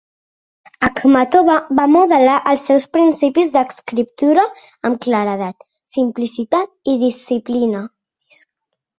Akhmatova va modelar els seus principis d'escriptura amb claredat, simplicitat i disciplina.